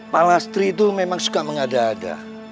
pak lastri itu memang suka mengada ada